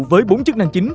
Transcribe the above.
với bốn chức năng chính